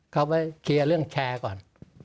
เขาไปเคลียร์เรื่องแชร์ก่อน